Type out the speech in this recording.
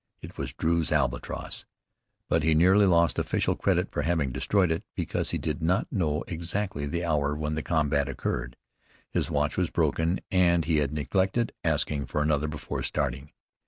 It was Drew's Albatross, but he nearly lost official credit for having destroyed it, because he did not know exactly the hour when the combat occurred. His watch was broken and he had neglected asking for another before starting.